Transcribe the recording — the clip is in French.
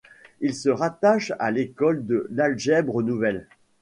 Il se rattache à l'école de l'Algèbre nouvelle.